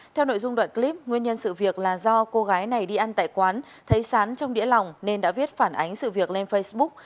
theo nội dung đoạn clip nguyên nhân sự việc là do cô gái này đi ăn tại quán thấy sán trong đĩa lòng nên đã viết phản ánh sự việc lên facebook